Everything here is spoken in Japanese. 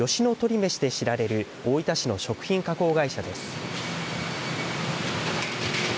めしで知られる大分市の食品加工会社です。